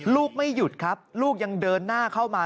ไม่หยุดครับลูกยังเดินหน้าเข้ามา